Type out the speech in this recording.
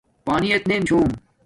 پانی ایت نیم چھوم